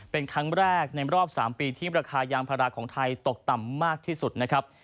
เป็นครั้งแรกในรอบ๓ปีที่ราคายางพาราของไทยตกต่ำมากที่สุดนะครับ